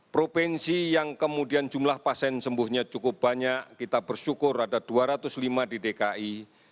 provinsi yang kemudian jumlah pasien sembuhnya cukup banyak kita bersyukur ada dua ratus lima di dki